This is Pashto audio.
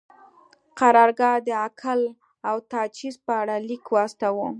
قرارګاه د اکل او تجهیز په اړه لیک واستاوه.